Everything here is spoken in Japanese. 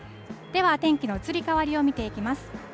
では、天気の移り変わりを見ていきます。